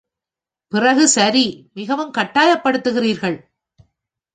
பிறகு சரி, மிகவும் கட்டாயப் படுத்துகிறீர்கள்.